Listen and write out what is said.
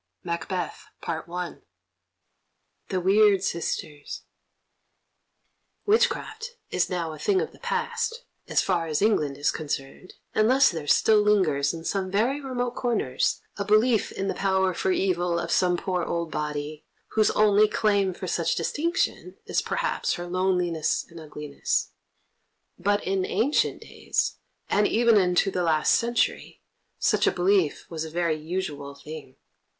Macbeth The Weird Sisters Witchcraft is now a thing of the past, as far as England is concerned, unless there still lingers in some very remote corners a belief in the power for evil of some poor old body, whose only claim for such distinction is, perhaps, her loneliness and ugliness. But in ancient days, and even into the last century, such a belief was a very usual thing.